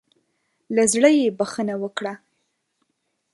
له زړۀ بخښنه وکړه.